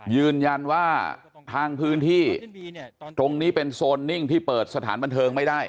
ยืนยันว่าทางพื้นที่ตรงนี้เป็นโซนนิ่งที่เปิดสถานบันเทิงไม่ได้